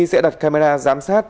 sẽ đặt camera giám sát